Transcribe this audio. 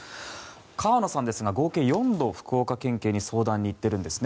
川野さんですが合計４度福岡県警に相談に行っているんですね。